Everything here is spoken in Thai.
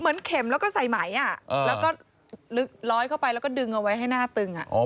เหมือนเข็มแล้วก็ใส่ไหมแล้วก็ลึกร้อยเข้าไปแล้วก็ดึงเอาไว้ให้หน้าตึง